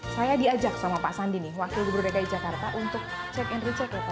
saya diajak sama pak sandi nih wakil gubernur dki jakarta untuk check and recheck